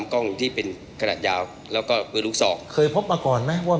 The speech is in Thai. มีการที่จะพยายามติดศิลป์บ่นเจ้าพระงานนะครับ